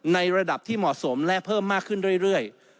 ในระดับที่เหมาะสมและเพิ่มมากขึ้นเรื่อย